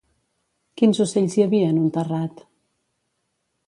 Quins ocells hi havia en un terrat?